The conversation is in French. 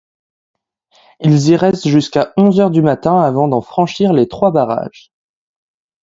Ils y restent jusqu’à onze heures du matin avant d'en franchir les trois barrages.